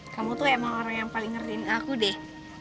kamu tuh emang orang yang paling ngertiin aku deh